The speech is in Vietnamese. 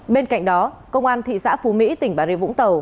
bên cạnh đó công an thị xã phú mỹ tỉnh bà rịa vũng tàu